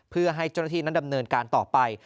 เพื่อให้เจ้าหน้าที่นั้นดำเนินการต่อไป